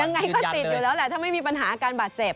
ยังไงก็ติดอยู่แล้วแหละถ้าไม่มีปัญหาอาการบาดเจ็บ